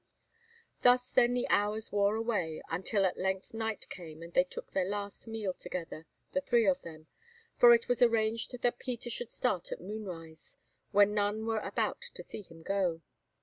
Thus, then, the hours wore away, until at length night came and they took their last meal together, the three of them, for it was arranged that Peter should start at moonrise, when none were about to see him go.